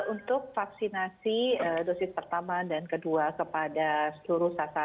untuk vaksinasi dosis pertama